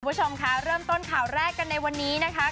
คุณผู้ชมค่ะเริ่มต้นข่าวแรกกันในวันนี้นะคะ